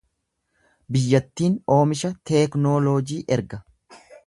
Biyyattiin oomisha teeknooloojii erga.